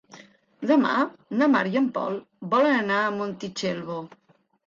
Demà na Mar i en Pol volen anar a Montitxelvo.